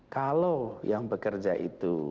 kalau yang bekerja itu